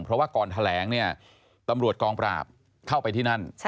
เพราะว่าก่อนแถลงเนี่ยตำรวจกองปราบเข้าไปที่นั่น